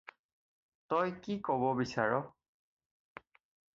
তই কি ক'ব বিচাৰ?